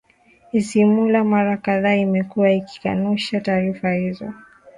esimulaa mara kadhaa imekuwa ikikanusha taarifa hizo